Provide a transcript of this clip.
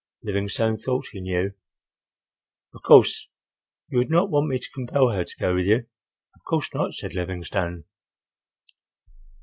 Livingstone thought he knew. "Of course, you would not want me to compel her to go with you?" "Of course not," said Livingstone.